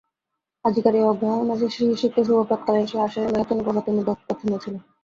আজিকার এই অগ্রহায়ণ মাসের শিশিরসিক্ত শুভ্র প্রাতঃকালে সেই আষাঢ়ের মেঘাচ্ছন্ন প্রভাতের মধ্যে প্রচ্ছন্ন ছিল।